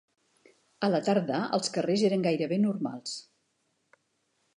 A la tarda els carrers eren gairebé normals